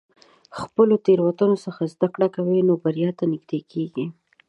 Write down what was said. که له خپلو تېروتنو څخه زده کړه کوې، نو بریا ته نږدې کېږې.